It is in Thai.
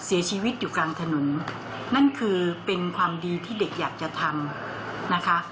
เสียชีวิตอยู่กลางถนนนั่นคือเป็นความดีที่เด็กอยากจะทำนะคะ